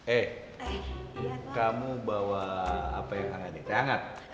eh kamu bawa apa yang hangat nih teh hangat